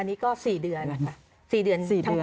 อันนี้ก็สี่เดือนสี่เดือนทั้งคู่